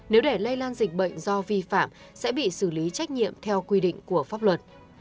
nếu để lây lan dịch bệnh do vi phạm sẽ bị xử lý trách nhiệm theo quy định của pháp luật